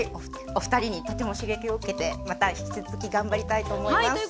お二人にとても刺激を受けてまた引き続き頑張りたいと思います。